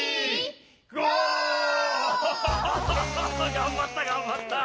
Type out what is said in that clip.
がんばったがんばった！